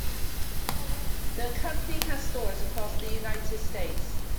The company has stores across the United States.